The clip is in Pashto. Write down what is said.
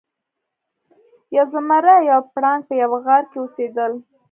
یو زمری او یو پړانګ په یوه غار کې اوسیدل.